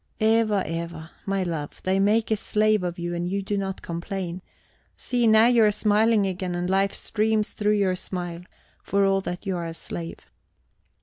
"Eva, Eva, my love, they make a slave of you and you do not complain. See! now you are smiling again, and life streams through your smile, for all that you are a slave."